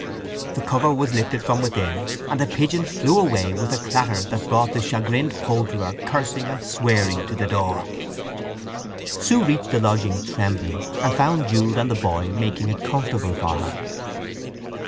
The cover was lifted from within, and the pigeons flew away with a clatter that brought the chagrined poulterer cursing and swearing to the door. Sue reached the lodging trembling, and found Jude and the boy making it comfortable for her.